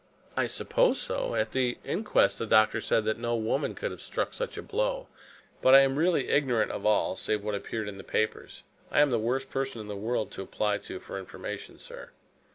"I suppose so. At the inquest the doctor said that no woman could have struck such a blow. But I am really ignorant of all, save what appeared in the papers. I am the worst person in the world to apply to for information, sir."